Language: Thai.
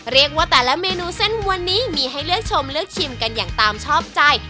เรียกว่าแต่ละเมนูเส้นวันนี้มีให้เลือกชมเลือกชิมกันอย่างตามชอบใจ